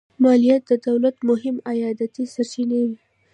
مالیات د دولت مهمې عایداتي سرچینې وې.